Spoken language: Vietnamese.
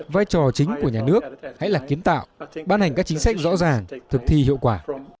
vai trò chính của nhà nước hãy là kiến tạo ban hành các chính sách rõ ràng thực thi hiệu quả